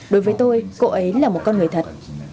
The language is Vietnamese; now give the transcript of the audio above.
đối với tôi cậu ấy là một con người thật